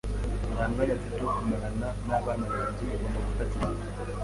"Nta mwanya mfite wo kumarana n'abana banjye." "Ugomba gufata igihe."